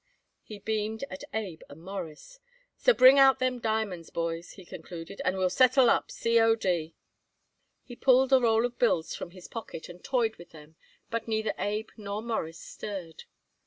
He beamed at Abe and Morris. "So, bring out them diamonds, boys," he concluded, "and we'll settle up C. O. D." He pulled a roll of bills from his pocket and toyed with them, but neither Abe nor Morris stirred.